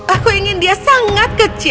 aku ingin dia sangat kecil